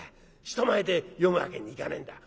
人前で読むわけにいかねえんだ。